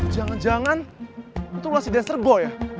jangan jangan itu lu masih dancer boy ya